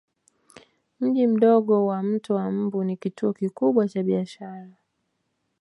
Mji mdogo wa Mto wa Mbu ni kituo kikubwa cha biashara